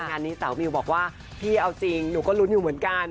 งานนี้สาวมิวบอกว่าพี่เอาจริงหนูก็ลุ้นอยู่เหมือนกัน